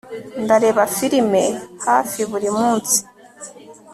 Ndareba firime hafi buri munsi